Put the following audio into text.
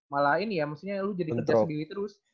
malah ini ya maksudnya lu jadi kerja sendiri terus